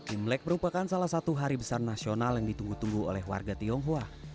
imlek merupakan salah satu hari besar nasional yang ditunggu tunggu oleh warga tionghoa